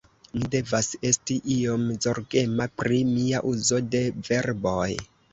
Mi devas esti iom zorgema pri mia uzo de verboj